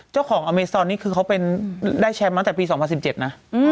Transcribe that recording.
อเมซอนนี่คือเขาได้แชมป์มาตั้งแต่ปี๒๐๑๗นะ